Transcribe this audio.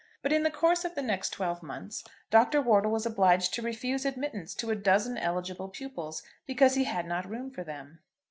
But in the course of the next twelve months Dr. Wortle was obliged to refuse admittance to a dozen eligible pupils because he had not room for them.